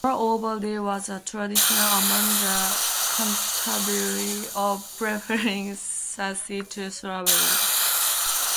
Moreover, there was a tradition among the Cantabri of preferring suicide to slavery.